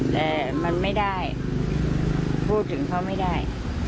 แต่มันไม่ได้พูดถึงเขาไม่ได้